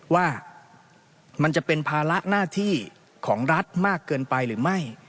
ว่ามันจะเป็นภาระหน้าที่ของรัฐมากเกินไปหรือไม่